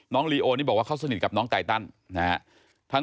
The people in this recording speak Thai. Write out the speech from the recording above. น้องลีโอนี่บอกว่าเขาสนิทกับน้องไก่ตั้น